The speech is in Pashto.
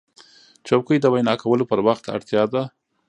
چوکۍ د وینا کولو پر وخت اړتیا ده.